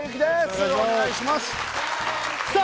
よろしくお願いしますさあ